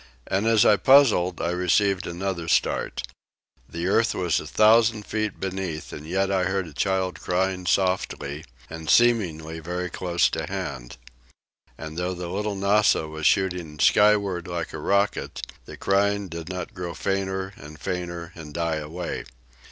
And as I puzzled, I received another start. The earth was a thousand feet beneath, and yet I heard a child crying softly, and seemingly very close to hand. And though the "Little Nassau" was shooting skyward like a rocket, the crying did not grow fainter and fainter and die away.